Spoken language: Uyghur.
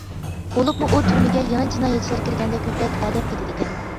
بولۇپمۇ، ئۇ تۈرمىگە يېڭى جىنايەتچىلەر كىرگەندە كۆپرەك ئەدەپ كېتىدىكەن.